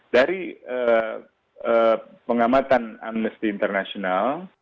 dari pengamatan amnesty international